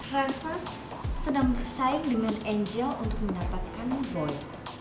revers sedang bersaing dengan angel untuk mendapatkan boy